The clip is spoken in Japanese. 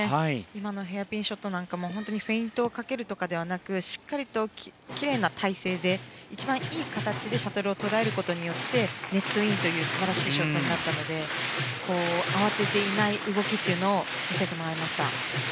今のヘアピンショットもフェイントをかけるとかではなくしっかりきれいな体勢で一番いい形でシャトルを捉えることによってネットインという素晴らしいショットになったので慌てていない動きを見せてもらいました。